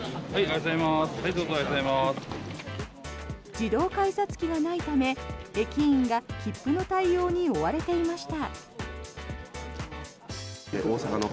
自動改札機がないため駅員が切符の対応に追われていました。